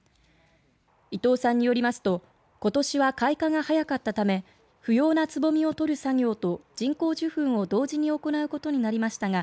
伊藤さんによりますとことしは開花が早かったため不要なつぼみを取る作業と人工授粉を同時に行うことになりましたが